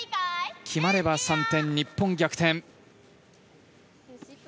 決まれば３点日本逆転。